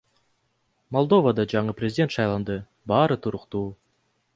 Молдовада жаңы президент шайланды, баары туруктуу.